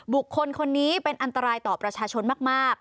บุคคลคนนี้เป็นอันตรายต่อประชาชนมาก